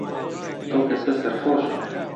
ئەو کەسە سەرخۆشە.